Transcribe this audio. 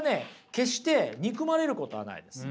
決して憎まれることはないです。